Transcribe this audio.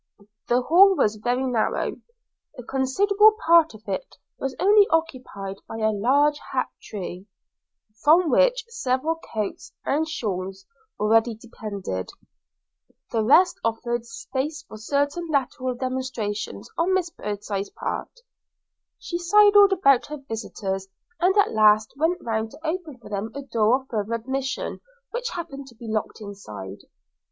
The hall was very narrow; a considerable part of it was occupied by a large hat tree, from which several coats and shawls already depended; the rest offered space for certain lateral demonstrations on Miss Birdseye's part. She sidled about her visitors, and at last went round to open for them a door of further admission, which happened to be locked inside.